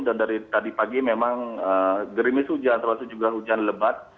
dan dari tadi pagi memang gerimis hujan terutama juga hujan lebat